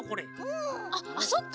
あっそっか。